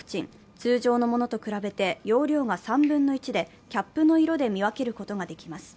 通常のものと比べて用量が３分の１で、キャップの色で見分けることができます。